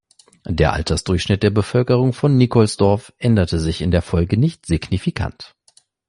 Der Altersdurchschnitt der Bevölkerung von Nikolsdorf änderte sich in der Folge nicht signifikant.